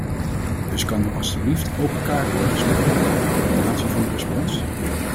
Dus kan er alstublieft open kaart worden gespeeld over de coördinatie van de respons?